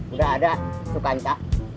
udah ada sukanta